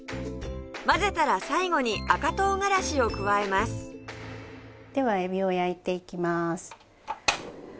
混ぜたら最後に赤唐辛子を加えますではエビを焼いていきます。